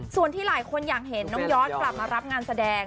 ส่วนที่หลายคนอยากเห็นน้องยอดกลับมารับงานแสดง